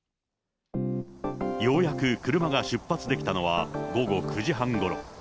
ようやく車が出発できたのは午後９時半ごろ。